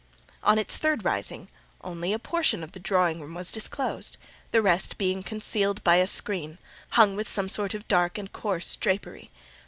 On its third rising only a portion of the drawing room was disclosed; the rest being concealed by a screen, hung with some sort of dark and coarse drapery.